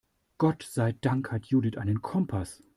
Gott sei Dank hat Judith einen Kompass.